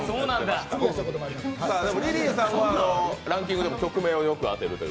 リリーさんはランキングでも曲名をよく当てるという。